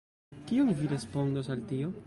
Kion vi respondos al tio?